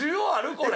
これ。